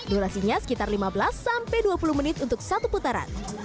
durasinya sekitar lima belas sampai dua puluh menit untuk satu putaran